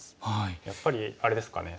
やっぱりあれですかね